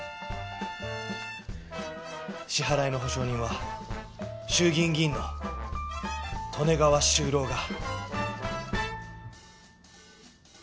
支払いの保証人は衆議院議員の利根川周郎が。